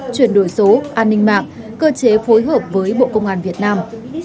chuyển đổi số an ninh mạng cơ chế phối hợp với bộ công an việt nam